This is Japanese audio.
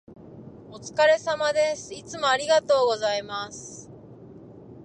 お疲れ様です。いつもありがとうございます。